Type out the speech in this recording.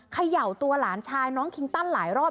เขย่าตัวหลานชายน้องคิงตันหลายรอบ